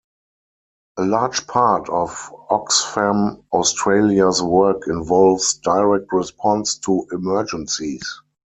A large part of Oxfam Australia's work involves direct response to emergencies.